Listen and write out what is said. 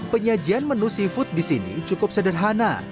penyajian menu seafood di sini cukup sederhana